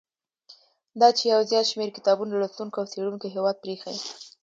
دا چې یو زیات شمیر کتاب لوستونکو او څېړونکو هیواد پریښی.